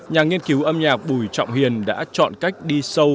nhà nghiên cứu âm nhạc bùi trọng hiền đã chọn cách đi sâu